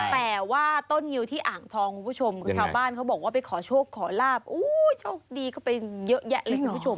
แต่ว่าต้นงิ้วที่อ่างทองผู้ชมคือชาวบ้านเขาบอกว่าไปขอโชคขอลาบโอ้โฮโชคดีเขาไปเยอะแยะเนี่ย